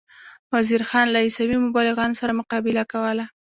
وزیر خان له عیسوي مبلغانو سره مقابله کوله.